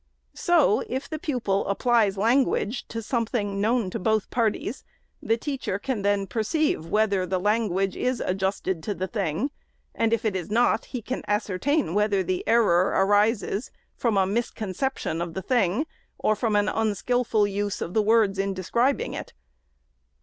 So if the pupil applies language to something known to both parties, the teacher can then perceive whether the language is adjusted to the thing ; and, if it is not, he can ascertain whether the error arises from a misconception of the thing, or from an unskilful use of words in describing it.